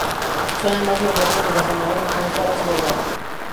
Son las más modernas de las llamadas "locomotoras Gotthard".